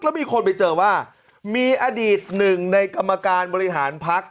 แล้วมีคนไปเจอว่ามีอดีตหนึ่งในกรรมการบริหารพัก